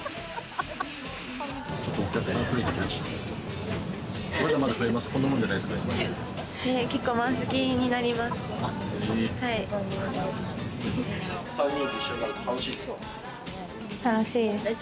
ちょっとお客さん増えてきました。